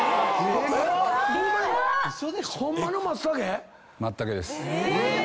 ホンマの松茸⁉松茸です。